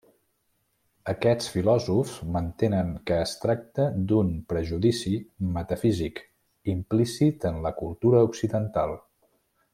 Aquests filòsofs mantenen que es tracta d'un prejudici metafísic implícit en la cultura occidental.